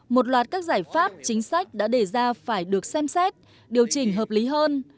một loạt các giải pháp chính sách đã đề ra phải được xem xét điều chỉnh hợp lý hơn